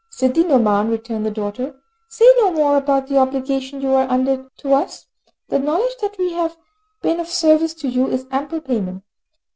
"Sidi Nouman," returned the daughter, "say no more about the obligation you are under to us. The knowledge that we have been of service to you is ample payment.